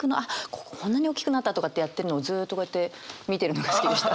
こここんなにおっきくなったとかってやってるのをずっとこうやって見てるのが好きでした。